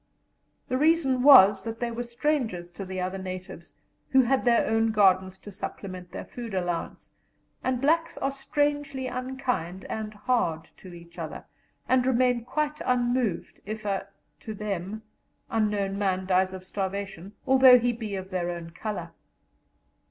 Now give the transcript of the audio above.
The reason was that they were strangers to the other natives, who had their own gardens to supplement their food allowance, and blacks are strangely unkind and hard to each other, and remain quite unmoved if a (to them) unknown man dies of starvation, although he be of their own colour.